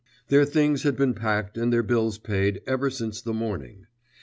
Their things had been packed and their bills paid ever since the morning.